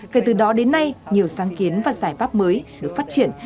kể từ đó đến nay nhiều sáng kiến và giải pháp mới được phát triển